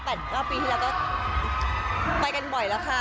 เก้าปีที่แล้วก็ไปกันบ่อยแล้วค่ะ